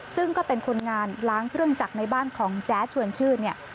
ซึ่งก็เป็นคนงานล้างเครื่องจักรในบ้านของแจ๊ดชวนชื่นเนี่ย